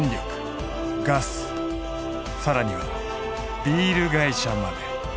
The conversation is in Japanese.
更にはビール会社まで。